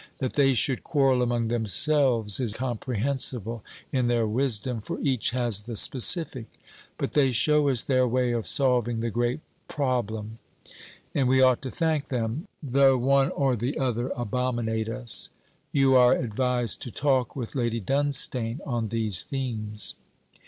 That they should quarrel among themselves is comprehensible in their wisdom, for each has the specific. But they show us their way of solving the great problem, and we ought to thank them, though one or the other abominate us. You are advised to talk with Lady Dunstane on these themes.